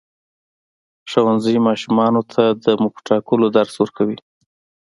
ښوونځی ماشومانو ته د موخو ټاکلو درس ورکوي.